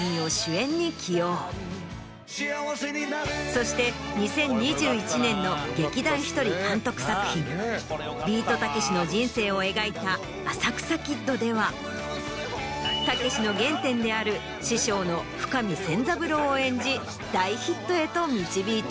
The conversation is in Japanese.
そして２０２１年の劇団ひとり監督作品ビートたけしの人生を描いた『浅草キッド』ではたけしの原点である師匠の深見千三郎を演じ大ヒットへと導いた。